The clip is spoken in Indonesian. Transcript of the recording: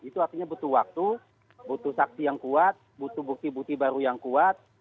itu artinya butuh waktu butuh saksi yang kuat butuh bukti bukti baru yang kuat